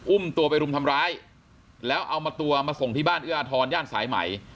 อุ้มตัวไปรุมทำร้ายแล้วเอามาตัวมาส่งที่บ้านเอื้ออาทรย่านสายใหม่